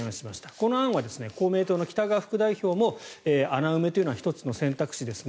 この案は公明党の北側副代表も穴埋めというのは１つの選択肢ですね